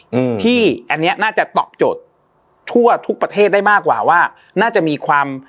อืมที่อันเนี้ยน่าจะตอบโจทย์ทั่วทุกประเทศได้มากกว่าว่าน่าจะมีความ